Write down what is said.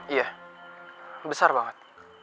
iya besar banget